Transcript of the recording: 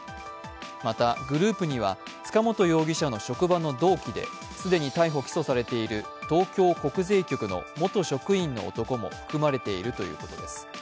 また、グループには、塚本容疑者の職場の同期で既に逮捕・起訴されている東京国税局の元職員の男も含まれているということです。